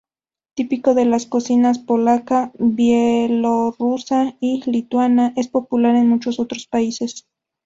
Típico de las cocinas polaca, bielorrusa y lituana, es popular en muchos otros países.